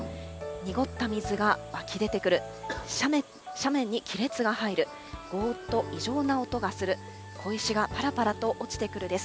濁った水が湧き出てくる、斜面に亀裂が入る、ごーっと異常な音がする、小石がぱらぱらと落ちてくるです。